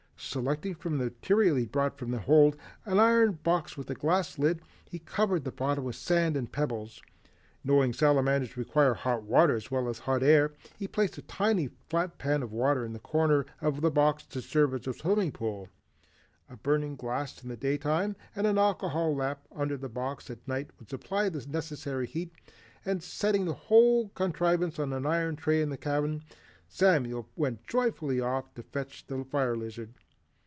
Selecting from the material he had brought from the hold an iron box with a glass lid, he covered the bottom with sand and pebbles. Knowing salamanders require hot water as well as hot air, he placed a tiny flat pan of water in the corner of the box to serve as a swimming pool. A burning glass in the day time and an alcohol lamp under the box at night would supply the necessary heat, and setting the whole contrivance on an iron tray in the cabin, Samuel went joyfully off to fetch the fire lizard.